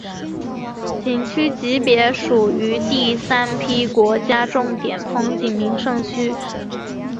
景区级别属于第三批国家重点风景名胜区。